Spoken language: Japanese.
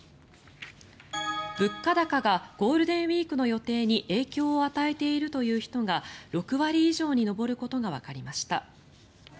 物価高がゴールデンウィークの予定に影響を与えているという人が６割以上に上ることがわかりました。